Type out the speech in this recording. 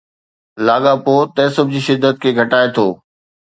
لاڳاپو تعصب جي شدت کي گھٽائي ٿو